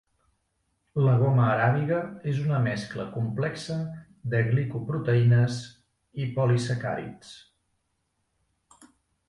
La goma aràbiga és una mescla complexa de glicoproteïnes i polisacàrids.